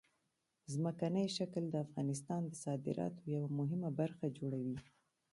ځمکنی شکل د افغانستان د صادراتو یوه مهمه برخه جوړوي.